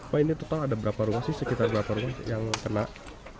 pak ini total ada berapa rumah sih sekitar berapa rumah yang kena